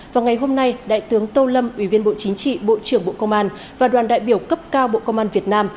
vào ngày hôm nay đại tướng tô lâm ủy viên bộ chính trị bộ trưởng bộ công an và đoàn đại biểu cấp cao bộ công an việt nam